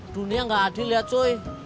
dunia gak adil lihat cuy